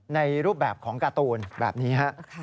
ในรูปแบบของการ์ตูนแบบนี้ฮะ